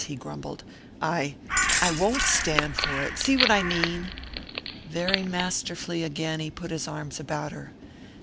he grumbled. "I I won't stand for it see what I mean?" Very masterfully again he put his arms about her.